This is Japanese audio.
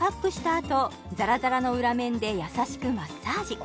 あとザラザラの裏面で優しくマッサージ